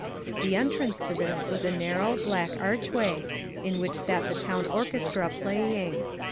The entrance to this was a narrow, black arch way, in which sat the town orchestra playing.